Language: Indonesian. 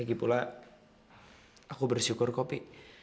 lagi pula aku bersyukur kok pi